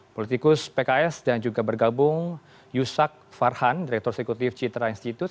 politikus pks dan juga bergabung yusak farhan direktur eksekutif citra institute